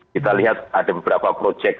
kita lihat ada beberapa proyek